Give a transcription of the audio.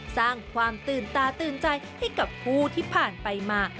สร้างความตื่นตาตื่นใจให้กับผู้ที่ผ่านไปมา